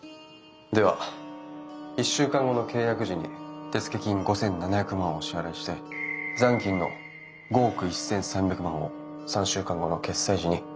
では１週間後の契約時に手付金５，７００万をお支払いして残金の５億１，３００万を３週間後の決済時に振り込ませていただきます。